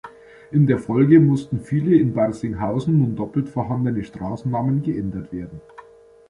In der Folge mussten viele in Barsinghausen nun doppelt vorhandene Straßennamen geändert werden.